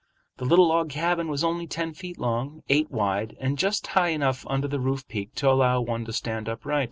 The little log cabin was only ten feet long, eight wide, and just high enough under the roof peak to allow one to stand upright.